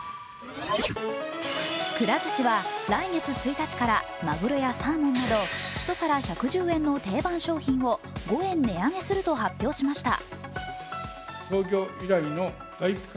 くら寿司は、来月１日からまぐろやサーモンなど１皿１１０円の定番商品を５円値上げすると発表しました。